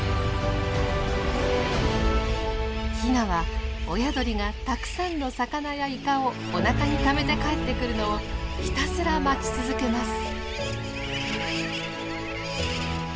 ヒナは親鳥がたくさんの魚やイカをおなかにためて帰ってくるのをひたすら待ち続けます。